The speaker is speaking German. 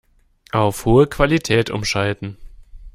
Auf hohe Qualität umschalten.